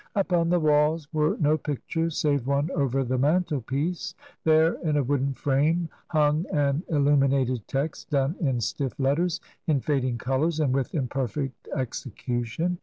Upon the walls were no pictures save one over the mantle piece. There, in a wooden frame, hung an illuminated text done in stiff letters, in fading colours, and with imperfect execution.